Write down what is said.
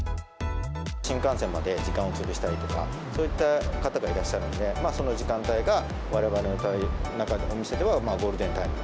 新幹線まで時間をつぶしたりとか、そういった方がいらっしゃるので、その時間帯が、われわれのお店ではゴールデンタイム。